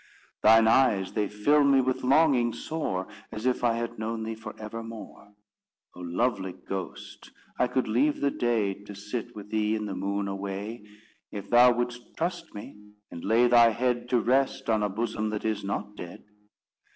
Thine eyes they fill me with longing sore, As if I had known thee for evermore. Oh, lovely ghost, I could leave the day To sit with thee in the moon away If thou wouldst trust me, and lay thy head To rest on a bosom that is not dead."